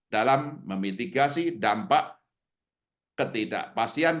dalam memitigasi dampak ketidakpastian